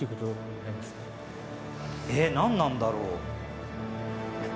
えっ何なんだろう？